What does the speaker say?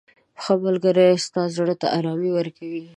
• ښه ملګری ستا زړه ته ارامي ورکوي.